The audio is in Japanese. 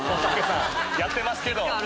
やってますけど！